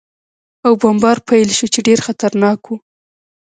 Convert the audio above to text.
او بمبار پېل شو، چې ډېر خطرناک و.